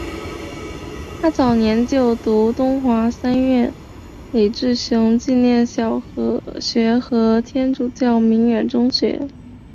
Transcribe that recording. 他早年就读东华三院李志雄纪念小学和天主教鸣远中学。